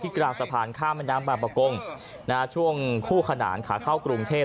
กลางสะพานข้ามแม่น้ำบางประกงช่วงคู่ขนานขาเข้ากรุงเทพ